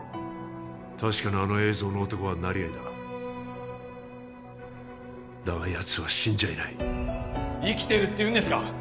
確かにあの映像の男は成合だだがやつは死んじゃいない生きてるっていうんですか？